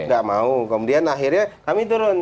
gak mau kemudian akhirnya kami turun